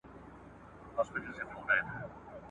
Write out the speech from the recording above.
زه ملنګ عبدالرحمن وم `